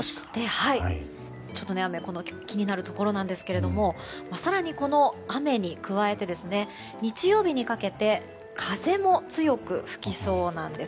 雨、気になるところですが更に、この雨に加えて日曜日にかけて風も強く吹きそうなんです。